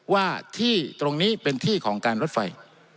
ว่าที่ตรงนี้เป็นที่ของการรถไฟ